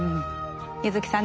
柚木さん